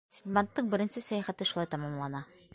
Синдбадтың беренсе сәйәхәте шулай тамамлана.